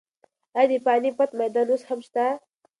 ایا د پاني پت میدان اوس هم شته؟